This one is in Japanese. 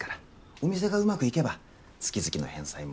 お店がうまくいけば月々の返済も